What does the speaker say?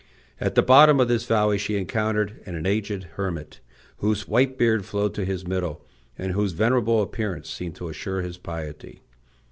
At the bottom of this valley she encountered an aged hermit, whose white beard flowed to his middle, and whose venerable appearance seemed to assure his piety.